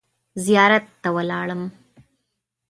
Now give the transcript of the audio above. زیارت ته ولاړم.